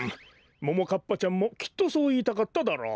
ももかっぱちゃんもきっとそういいたかったダロ。